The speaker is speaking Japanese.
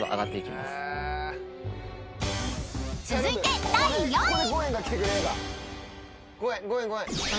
［続いて第４位］